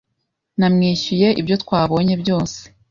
Namwishuye ibyo twabonye byose